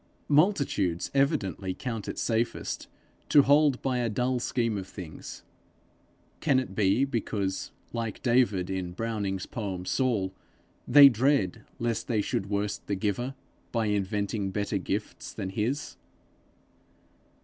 Multitudes evidently count it safest to hold by a dull scheme of things: can it be because, like David in Browning's poem Saul, they dread lest they should worst the Giver by inventing better gifts than his?